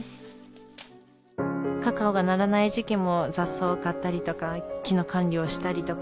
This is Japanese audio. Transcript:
カカオがならない時期も雑草を刈ったりとか木の管理をしたりとか。